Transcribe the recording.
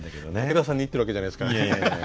武田さんに言ってるわけじゃないですからね。